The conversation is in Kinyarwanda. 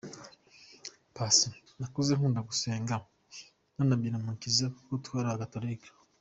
Paccy : Nakuze nkunda gusenga nanabyina mu kiliziya kuko twari Abagatulika.